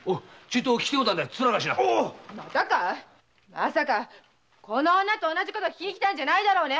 まさかこの女と同じことを訊きに来たんじゃないだろうね！